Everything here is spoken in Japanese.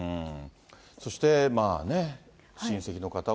そして親戚の方も。